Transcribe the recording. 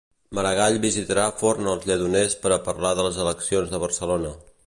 Maragall visitarà Forn als Lledoners per a parlar de les eleccions de Barcelona.